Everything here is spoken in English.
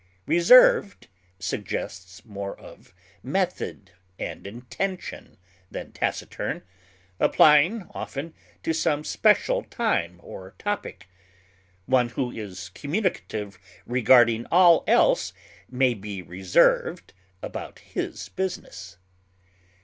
Reserved suggests more of method and intention than taciturn, applying often to some special time or topic; one who is communicative regarding all else may be reserved about his business.